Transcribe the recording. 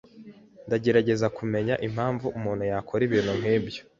Ndagerageza kumenya impamvu umuntu yakora ibintu nkibyo.